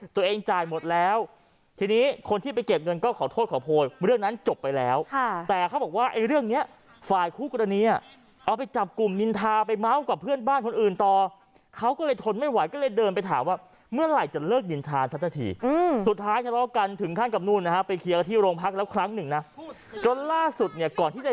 จ่ายหมดแล้วทีนี้คนที่ไปเก็บเงินก็ขอโทษขอโพยเรื่องนั้นจบไปแล้วแต่เขาบอกว่าไอ้เรื่องเนี้ยฝ่ายคู่กรณีอ่ะเอาไปจับกลุ่มนินทาไปเม้ากับเพื่อนบ้านคนอื่นต่อเขาก็เลยทนไม่ไหวก็เลยเดินไปถามว่าเมื่อไหร่จะเลิกนินทาสักสักทีสุดท้ายทะเลาะกันถึงขั้นกับนู่นนะฮะไปเคลียร์ที่โรงพักแล้วครั้งหนึ่งนะจนล่าสุดเนี่ยก่อนที่จะ